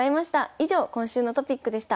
以上今週のトピックでした。